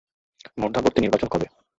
মধ্যবর্তী নির্বাচন কবে?